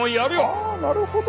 あなるほど！